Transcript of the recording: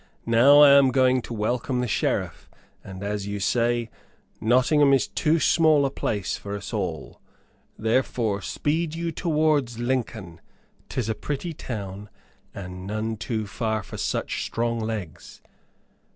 "Now I am going to welcome the Sheriff, and, as you say Nottingham is too small a place for us all, therefore speed you towards Lincoln; 'tis a pretty town and none too far for such strong legs."